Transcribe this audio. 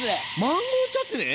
マンゴーチャツネ？